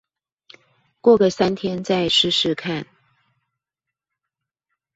過個三天再試試看